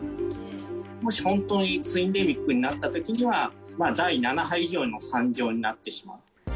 もし本当にツインデミックになったときには、第７波以上の惨状になってしまう。